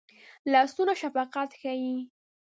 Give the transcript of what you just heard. لاسونه شفقت ښيي